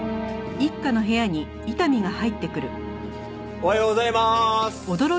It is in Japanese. おはようございまーす！